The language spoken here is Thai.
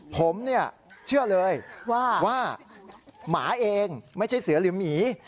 ผมเนี่ยเชื่อเลยว่าหมาเองไม่ใช่เสือหรือหมี